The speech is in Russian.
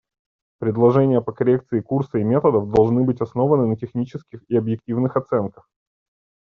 Предложения по коррекции курса и методов должны быть основаны на технических и объективных оценках.